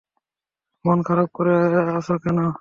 মন খারাপ করে আছো কেন?